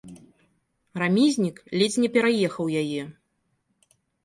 Рамізнік ледзь не пераехаў яе.